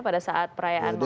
pada saat perayaan mawlus